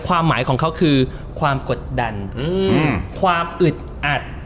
ความหมายของเขาคือความกดดันความอึดอัด